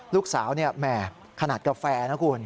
ลูกสาวแหมขนาดกาแฟนะคุณ